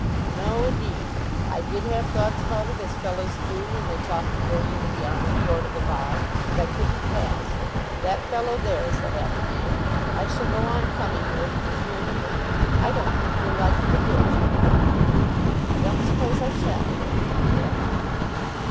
"No, indeed. I did have thoughts about it as fellows do when they talk of going into the army or to the bar; but I couldn't pass. That fellow there is the happy man. I shall go on coming here, because you're here. I don't think you'll like it a bit, you know." "I don't suppose I shall, Lord Nidderdale."